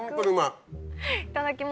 いただきます。